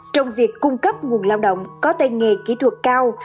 trong việc cung cấp nguồn lao động có tên nghề kỹ thuật cao